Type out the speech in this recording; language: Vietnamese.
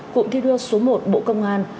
cụm thi đua số một bộ công an